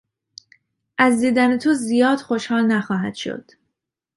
از دیدن تو زیاد خوشحال نخواهد شد.